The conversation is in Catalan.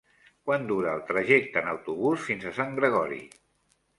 Quant dura el trajecte en autobús fins a Sant Gregori?